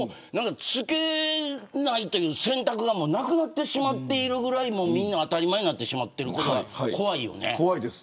着けないという選択がなくなってしまっているぐらいみんな当たり前になってしまっているのが怖いね。